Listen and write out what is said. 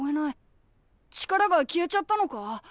力が消えちゃったのか？